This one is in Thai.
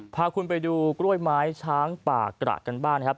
พาคุณไปดูกล้วยไม้ช้างป่ากระกันบ้างนะครับ